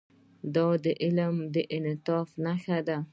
دا د علم د انعطاف نښه ده.